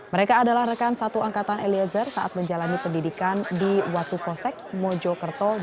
mereka adalah rekan satu angkatan eliezer saat menjalani pendidikan di watu kosek mojokerto